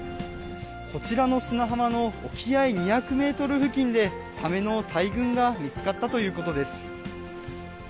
こちらの砂浜の沖合２００メートル付近で、サメの大群が見つかったということです。